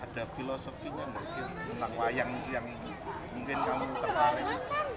ada filosofi nggak enggak sih tentang wayang yang mungkin kamu terpareng